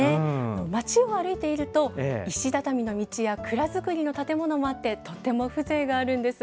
町を歩いていると、石畳の道や蔵造りの建物もあって、とても風情があるんです。